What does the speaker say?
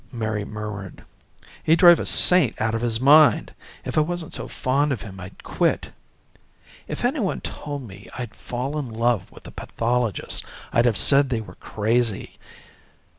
Mary murmured. "He'd drive a saint out of his mind. If I wasn't so fond of him I'd quit. If anyone told me I'd fall in love with a pathologist, I'd have said they were crazy.